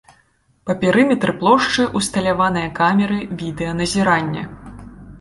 Па перыметры плошчы ўсталяваныя камеры відэаназірання.